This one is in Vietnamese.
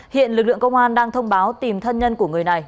hiện lực lượng công an đang thông báo tìm thân nhân của người này